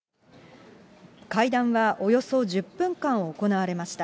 会談はおよそ１０分間行われました。